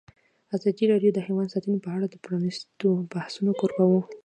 ازادي راډیو د حیوان ساتنه په اړه د پرانیستو بحثونو کوربه وه.